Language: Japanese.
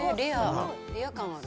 レア感ある。